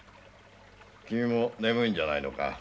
君も眠いんじゃないのか？